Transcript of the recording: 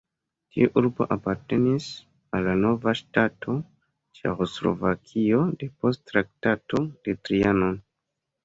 Tiu urbo apartenis al la nova ŝtato Ĉeĥoslovakio depost Traktato de Trianon.